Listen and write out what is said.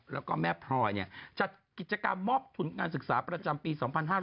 แล้วก็แม่พลอยจัดกิจกรรมมอบทุนการศึกษาประจำปี๒๕๕๙